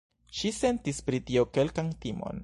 Ŝi sentis pri tio kelkan timon.